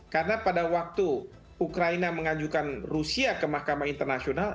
karena pada waktu ukraina mengajukan rusia ke mahkamah internasional